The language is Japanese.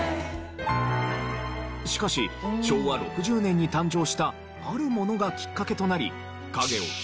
しかし昭和６０年に誕生したあるものがきっかけとなり。